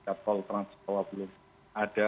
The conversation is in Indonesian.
tol transkawah belum ada